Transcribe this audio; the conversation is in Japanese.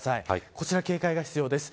こちら、警戒が必要です。